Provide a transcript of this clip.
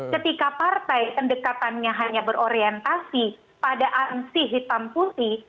ketika partai pendekatannya hanya berorientasi pada ansi hitam putih